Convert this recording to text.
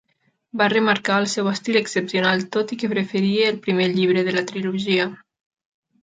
Va remarcar el seu estil excepcional tot i que preferia el primer llibre de la trilogia.